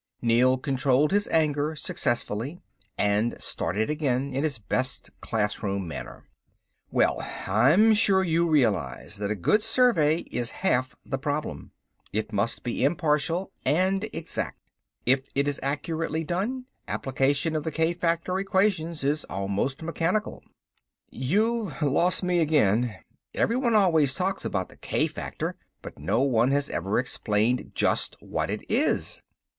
Neel controlled his anger successfully and started again, in his best classroom manner. "Well, I'm sure you realize that a good survey is half the problem. It must be impartial and exact. If it is accurately done, application of the k factor equations is almost mechanical." "You've lost me again. Everyone always talks about the k factor, but no one has ever explained just what it is."